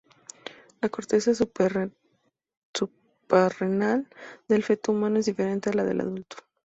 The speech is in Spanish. La corteza suprarrenal del feto humano es diferente a la del adulto.